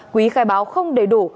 quý khai báo không đầy đủ